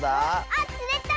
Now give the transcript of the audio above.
あっつれた！